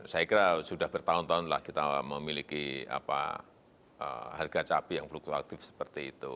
saya kira sudah bertahun tahun lah kita memiliki harga cabai yang fluktuatif seperti itu